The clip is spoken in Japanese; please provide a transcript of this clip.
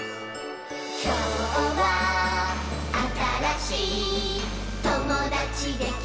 「きょうはあたらしいともだちできるといいね」